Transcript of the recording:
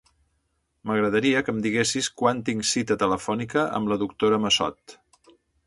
M'agradaria que em diguessis quan tinc cita telefònica amb la doctora Massot.